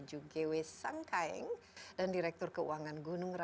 budi ini direktur keuangan